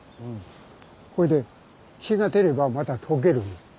ほいで日が照ればまた溶ける。